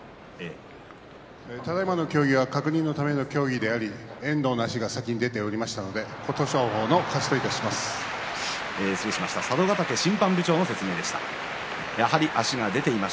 ただいまの協議は確認のための協議であり遠藤の足が先に出ていましたので琴勝峰の勝ちといたします。